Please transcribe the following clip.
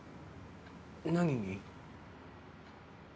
何に？